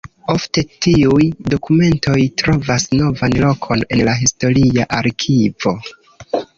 Ofte tiuj dokumentoj trovas novan lokon en la historia arkivo.